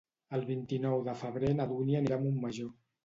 El vint-i-nou de febrer na Dúnia anirà a Montmajor.